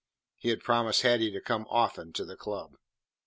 He had promised Hattie to come often to the club.